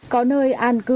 có nơi an cư